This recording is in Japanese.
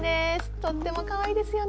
とってもかわいいですよね。